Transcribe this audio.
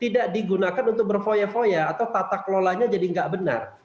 tidak digunakan untuk berfoya foya atau tata kelolanya jadi nggak benar